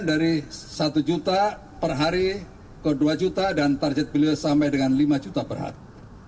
jadi satu juta per hari ke dua juta dan target beliau sampai dengan lima juta per hari